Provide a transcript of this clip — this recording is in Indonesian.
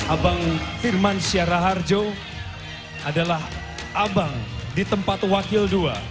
abang firmansyah raharjo adalah abang di tempat wakil dua